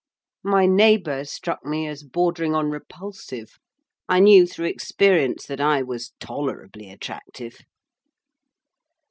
My neighbour struck me as bordering on repulsive; I knew, through experience, that I was tolerably attractive.